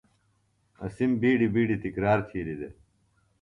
اسِم بِیڈیۡ بِیڈیۡ تِکرار تِھیلیۡ دےۡ۔